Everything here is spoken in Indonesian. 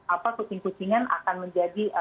apa kucing kucingan akan menjadi